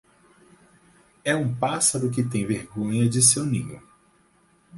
É um pássaro que tem vergonha de seu ninho.